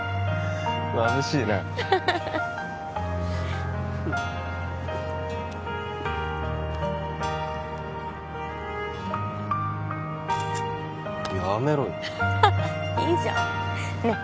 まぶしいなやめろよいいじゃんねえ